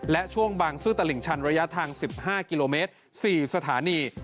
และช่วงบางซื่อตลิ่งชันระยะทาง๑๕กิโลเมตร๔สถานี